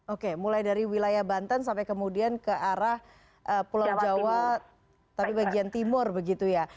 oke mulai dari wilayah banten sampai kemudian ke arah pulau jawa tapi bagian timur begitu ya